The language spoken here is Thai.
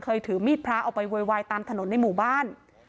ถือมีดพระออกไปโวยวายตามถนนในหมู่บ้าน